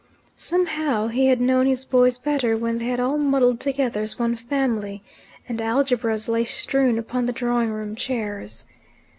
Somehow he had known his boys better when they had all muddled together as one family, and algebras lay strewn upon the drawing room chairs.